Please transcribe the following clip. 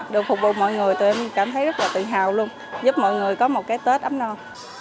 được phục vụ mọi người tụi em cảm thấy rất là tự hào luôn giúp mọi người có một cái tết ấm non